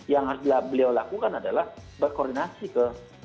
yang harus beliau lakukan adalah berkoordinasi ke